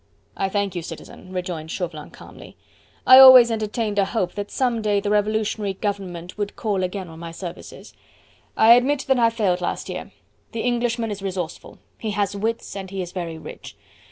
"I thank you, Citizen," rejoined Chauvelin calmly. "I always entertained a hope that some day the Revolutionary Government would call again on my services. I admit that I failed last year. The Englishman is resourceful. He has wits and he is very rich.